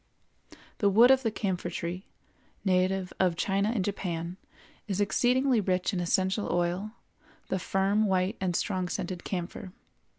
The wood of the Camphor tree, native of China and Japan, is exceedingly rich in essential oil, the firm, white, and strong scented camphor.